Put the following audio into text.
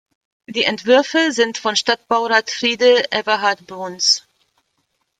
Die Entwürfe sind von Stadtbaurat Friede Everhard Bruns.